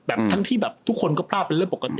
ทั้งที่แบบทุกคนก็พลาดเป็นเรื่องปกติ